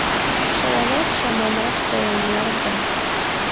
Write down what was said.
Чыланат чаманат тыйым, эргым...